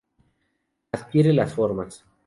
Adquiere las formas.